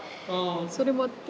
それもあって。